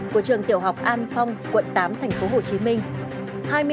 của trường tiểu học an phong quận tám thành phố hồ chí minh